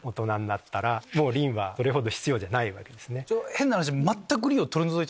変な話。